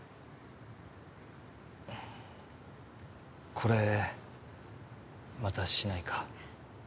これまたしないか？